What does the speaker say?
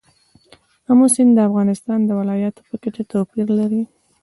آمو سیند د افغانستان د ولایاتو په کچه توپیر لري.